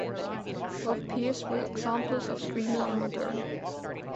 Both piers were examples of Streamline Moderne.